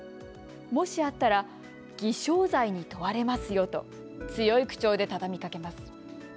もしあったら偽証罪に問われますよと強い口調で畳みかけます。